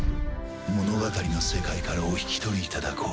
物語の世界からお引き取りいただこう。